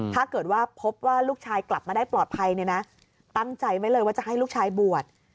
ถ้าเกิดว่าพบว่าลูกชายกลับมาได้ปลอดภัยเนี่ยนะตั้งใจไว้เลยว่าจะให้ลูกชายบวช